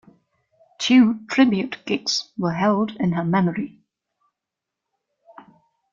Two tribute gigs were held in her memory.